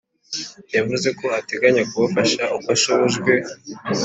yavuzeko ateganya kubafasha uko ashobojwe